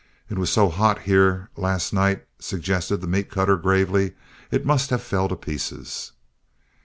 "It was so hot here last night," suggested the meat cutter, gravely, "it must have fell to pieces."